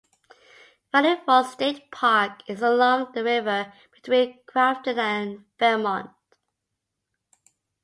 Valley Falls State Park is along the river between Grafton and Fairmont.